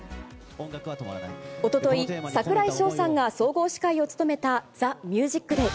おととい、櫻井翔さんが総合司会を務めたＴＨＥＭＵＳＩＣＤＡＹ。